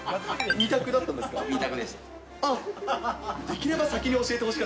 ２択だったんですか？